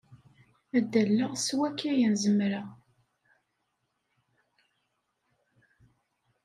Ad d-alleɣ s wakk ayen zemreɣ.